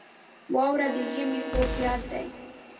• واوره د ژمي خوږ یاد دی.